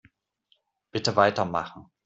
Bitte weitermachen.